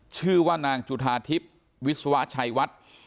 ชื่อว่านางจุธาทิพย์วิศวะชัยวัด